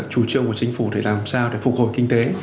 chủ trương của chính phủ để làm sao để phục hồi kinh tế